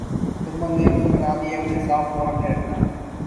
حکومت نے پل بنادیئے انہیں صاف تو ہم نے رکھنا ہے۔